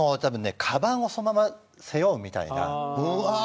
かばんをそのまま背負うみたいな。